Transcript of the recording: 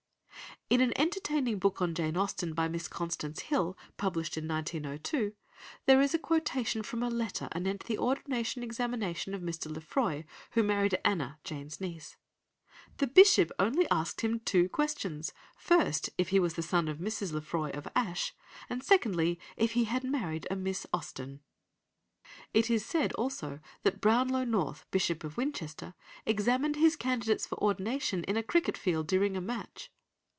In an entertaining book on Jane Austen by Miss Constance Hill, published in 1902, there is a quotation from a letter anent the ordination examination of Mr. Lefroy, who married Anna, Jane's niece. "The Bishop only asked him two questions, first if he was the son of Mrs. Lefroy of Ashe, and secondly if he had married a Miss Austen." It is said also that Brownlow North, Bishop of Winchester, examined his candidates for ordination in a cricket field during a match.